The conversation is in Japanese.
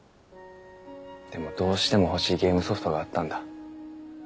でもどうしても欲しいゲームソフトがあったんだ。